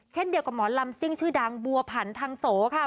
เช่นเดียวกับหมอลำซิ่งชื่อดังบัวผันทางโสค่ะ